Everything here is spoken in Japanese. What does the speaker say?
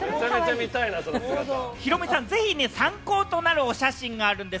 ヒロミさん、ぜひね、参考となるお写真があるんです。